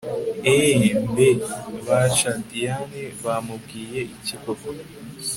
EeeeeeehMbe basha Diane bamubwiye iki koko